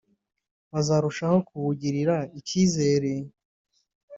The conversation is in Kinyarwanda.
bazarushaho kuwugirira icyizere